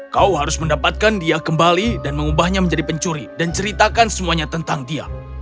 kau harus mendapatkan dia kembali dan mengubahnya menjadi pencuri dan ceritakan semuanya tentang dia